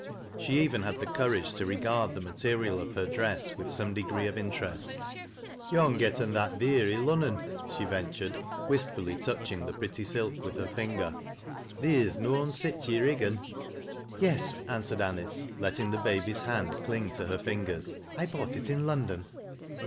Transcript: She even had the courage tc regard the mate rial of her dress with some degree of interest. " To'n getten that theer i' Lunnon," she ventured, wist fully touching the pretty sUk with her finger. "Theer'f Tiosin sich i' Riggan." m THAT LASS 0' LOWBIBTB. " Yes," answered Anice, letting the baby's Land cL'ng to her fingers. " I bought it in London."